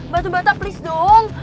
batu bata please dong